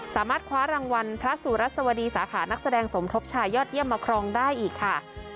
สามารถคว้ารางวัลพระสุรัสวดีสาขานักแสดงสมทบชายยอดเยี่ยมมาครองได้อีกค่ะ